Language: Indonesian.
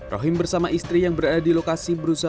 rohim bersama istri yang berada di lokasi berusaha